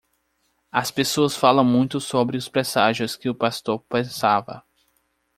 As pessoas falam muito sobre os presságios que o pastor pensava.